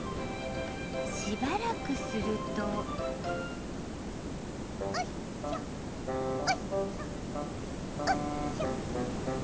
しばらくするとうんしょうんしょうんしょ。